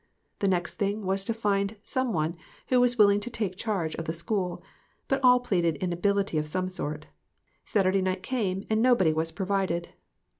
The next thing was to find some one who was willing to take charge of the school, but all pleaded inability of some sort. Saturday night came and nobody was provided.